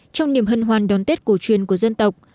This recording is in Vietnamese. trong niềm hân hoan đón tết cổ truyền của dân tộc